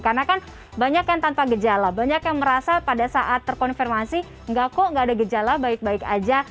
karena kan banyak yang tanpa gejala banyak yang merasa pada saat terkonfirmasi enggak kok nggak ada gejala baik baik aja